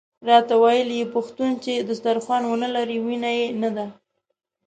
راته ویل یې پښتون چې دسترخوان ونه لري وینه یې نده.